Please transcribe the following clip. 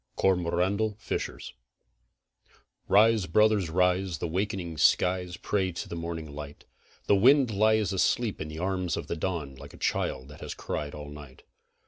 COROMANDEL FISHERS Rise, brothers, rise, the wakening skies pray to the morning light, The wind lies asleep in the arms of the dawn like a child that has cried all night.